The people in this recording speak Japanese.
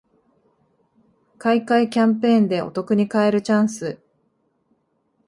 買い換えキャンペーンでお得に買えるチャンス